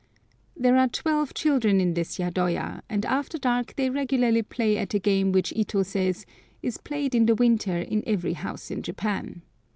There are twelve children in this yadoya, and after dark they regularly play at a game which Ito says "is played in the winter in every house in Japan."